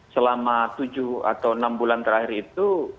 selama tujuh atau enam bulan terakhir itu